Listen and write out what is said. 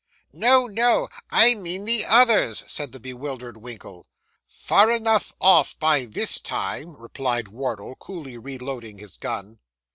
'No, no; I mean the others,' said the bewildered Winkle. 'Far enough off, by this time,' replied Wardle, coolly reloading his gun.